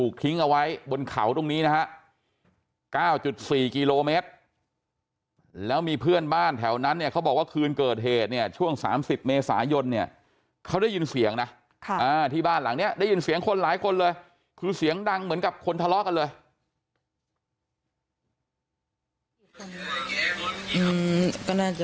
ทิ้งเอาไว้บนเขาตรงนี้นะฮะ๙๔กิโลเมตรแล้วมีเพื่อนบ้านแถวนั้นเนี่ยเขาบอกว่าคืนเกิดเหตุเนี่ยช่วง๓๐เมษายนเนี่ยเขาได้ยินเสียงนะที่บ้านหลังนี้ได้ยินเสียงคนหลายคนเลยคือเสียงดังเหมือนกับคนทะเลาะกันเลย